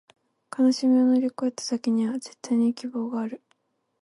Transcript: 悲しみを乗り越えた先には、絶対に希望がある